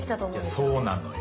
そうなのよ。